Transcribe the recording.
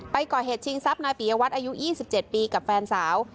ไปก่อเหตุชิงทรัพย์นายปียวัตรอายุ๒๗ปีกับแฟนสาว